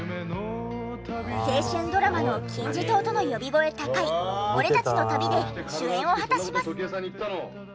青春ドラマの金字塔との呼び声高い『俺たちの旅』で主演を果たします。